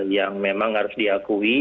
yang memang harus diakui